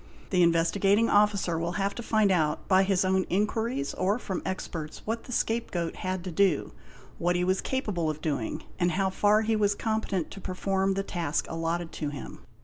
The Investigating Officer will have to find out, by his own inquiries or from experts, what the scapegoat had to do, what he was capable of doing, and how far he was competent to perform the task allotted to him.